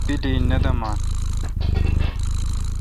پیلی نہ دمان۔